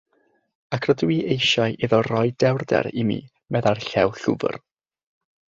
"Ac rydw i eisiau iddo roi dewrder i mi," meddai'r Llew Llwfr.